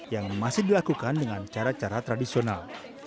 yang masih dilakukan dengan cara cara tradisional